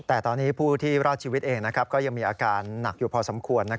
แต่ตอนนี้ผู้ที่รอดชีวิตเองก็ยังมีอาการหนักอยู่พอสมควร